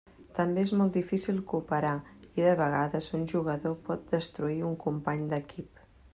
També és molt difícil cooperar, i, de vegades, un jugador pot destruir un company d'equip.